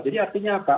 jadi artinya apa